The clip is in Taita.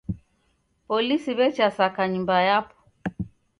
Polisi w'echasaka nyumba yapo.